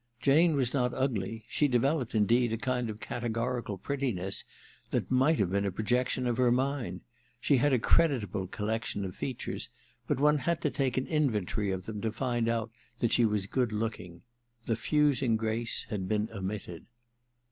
Jane was not ugly ; she developed, indeed, a lund of cate gorical prettiness which might have been a projection of her mind. She had a creditable collection of features, but one had to take an inventory of them to find out that she was good looking. The fusing grace had been omitted.